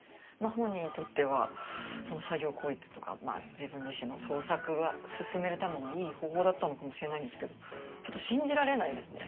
本人にとっては作業効率とか自分自身の創作を進めるためのいい方法だったのかもしれないんですけどちょっと信じられないですね。